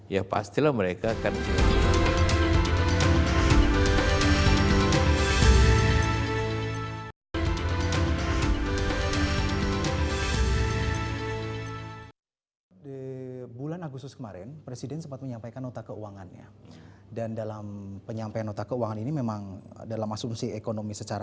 ya pastilah mereka akan